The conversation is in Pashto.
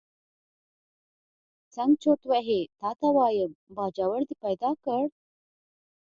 څنګه چرت وهې تا ته وایم، باجوړ دې پیدا کړ.